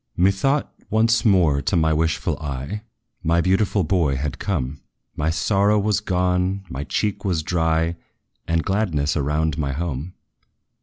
Methought, once more to my wishful eye My beautiful boy had come: My sorrow was gone, my cheek was dry, And gladness around my home.